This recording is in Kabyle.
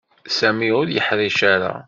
Sami ur yeḥṛic ara.